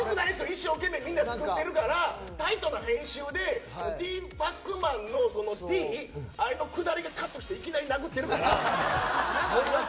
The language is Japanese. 一生懸命みんな作ってるからタイトな編集でティーパックマンのティーのくだりをカットしていきなり殴ってるから。